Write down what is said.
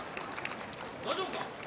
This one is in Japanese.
大丈夫か？